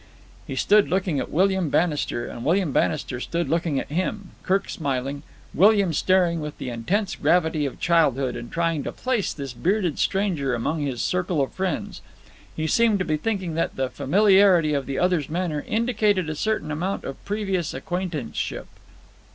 He stood looking at William Bannister, and William Bannister stood looking at him, Kirk smiling, William staring with the intense gravity of childhood and trying to place this bearded stranger among his circle of friends. He seemed to be thinking that the familiarity of the other's manner indicated a certain amount of previous acquaintanceship.